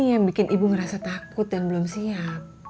yang bikin ibu ngerasa takut dan belum siap